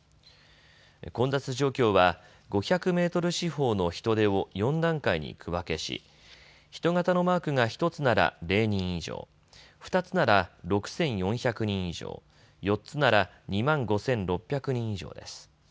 混雑状況は５００メートル四方の人出を４段階に区分けし人型のマークが１つなら０人以上、２つなら６４００人以上、４つなら２万５６００人以上です。